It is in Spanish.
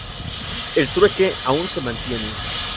El trueque aún se mantiene.